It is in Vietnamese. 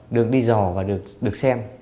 được đi dò và được xem